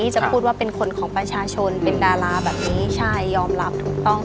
จะพูดว่าเป็นคนของประชาชนเป็นดาราแบบนี้ใช่ยอมรับถูกต้อง